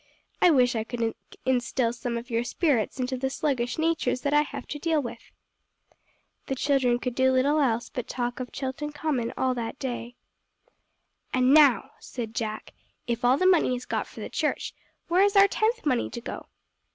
I wish I could instill some of your spirits into the sluggish natures that I have to deal with!" The children could do little else but talk of Chilton Common all that day. "And now," said Jack, "if all the money is got for the church, where is our tenth money to go to?"